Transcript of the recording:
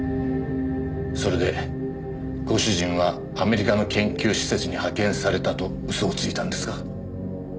それでご主人はアメリカの研究施設に派遣されたと嘘をついたんですか？